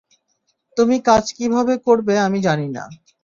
তুমি কাজ কীভাবে করবে আমি জানি না।